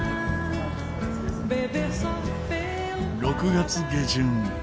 ６月下旬